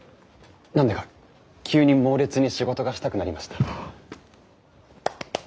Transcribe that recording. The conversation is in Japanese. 何だか急に猛烈に仕事がしたくなりました。